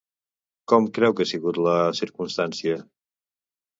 Com creu que ha sigut la circumstància?